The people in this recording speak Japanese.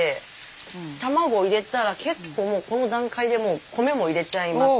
卵入れたら結構この段階でもう米も入れちゃいます。